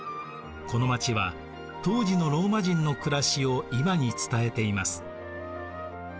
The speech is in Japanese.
この町は当時のローマ人の暮らしを今に伝えています。